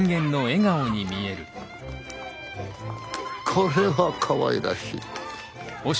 これはかわいらしい。